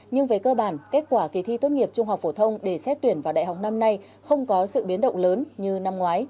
nhưng về cơ bản kết quả kỳ thi tốt nghiệp trung học phổ thông để xét tuyển vào đại học năm nay không có sự biến động lớn như năm ngoái